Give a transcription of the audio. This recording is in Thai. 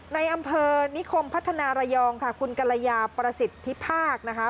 ในอำเภอนิคมพัฒนาระยองค่ะคุณกรยาประสิทธิภาคนะคะ